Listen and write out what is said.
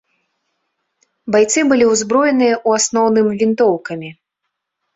Байцы былі ўзброеныя ў асноўным вінтоўкамі.